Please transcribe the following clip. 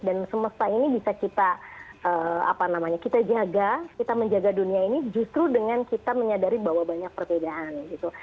dan semesta ini bisa kita apa namanya kita jaga kita menjaga dunia ini justru dengan kita menyadari bahwa banyak perbedaan gitu